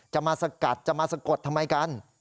จะมาสกัดจะมาสะกดทำไมกัน